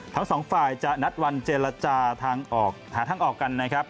ทั้งสองฝ่ายจะนัดวันเจรจาทางออกหาทางออกกันนะครับ